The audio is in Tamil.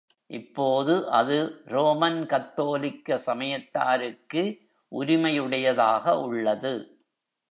இப்போது அது ரோமன் கத்தோலிக்க சமயத்தாருக்கு உரிமையுடையதாக உள்ளது.